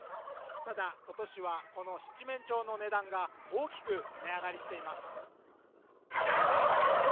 ただ今年はこの七面鳥の値段が大きく値上がりしています